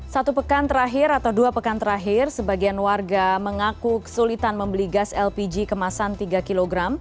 satu pekan terakhir atau dua pekan terakhir sebagian warga mengaku kesulitan membeli gas lpg kemasan tiga kg